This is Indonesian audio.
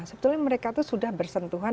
sebetulnya mereka itu sudah bersentuhan